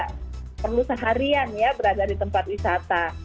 tidak perlu seharian ya berada di tempat wisata